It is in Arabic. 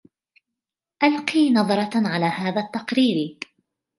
ألقي نظرةً على هذا التقرير.